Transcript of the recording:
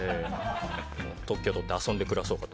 特許とって遊んで暮らそうかと。